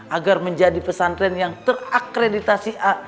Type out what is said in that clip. agar menjadi pesan tren yang terakreditasi a